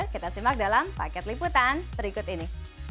kita simak dalam paket liputan berikut ini